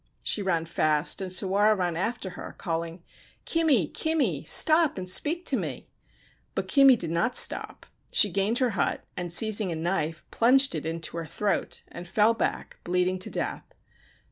She ran fast, and Sawara ran after her, calling, ' Kimi, Kimi, stop and speak to me '; but Kimi did not stop. She gained her hut, and, seizing a knife, plunged it into her throat, and fell back bleeding to death.